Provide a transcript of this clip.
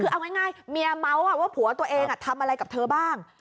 คือเอาง่ายเมียเมาส์ว่าผัวตัวเองทำอะไรกับเธอบ้าง